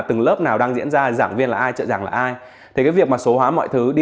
từng lớp nào đang diễn ra giảng viên là ai trợ giảng là ai thì cái việc mà số hóa mọi thứ đi